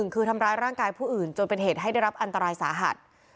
คือทำร้ายร่างกายผู้อื่นจนเป็นเหตุให้ได้รับอันตรายสาหัส